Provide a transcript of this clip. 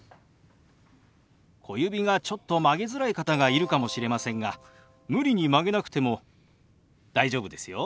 小指がちょっと曲げづらい方がいるかもしれませんが無理に曲げなくても大丈夫ですよ。